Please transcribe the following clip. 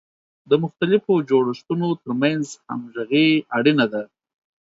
د مختلفو جوړښتونو ترمنځ همغږي اړینه ده.